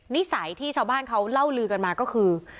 นิสัยที่ชาวบ้านเขาเล่าลือกันมาก็คือ